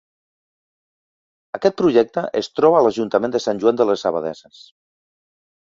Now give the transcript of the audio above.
Aquest projecte es troba a l'Ajuntament de Sant Joan de les Abadesses.